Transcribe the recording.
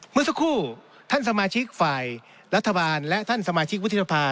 เมื่อสักครู่ท่านสมาชิกฝ่ายรัฐบาลและท่านสมาชิกวุฒิภา